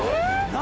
何？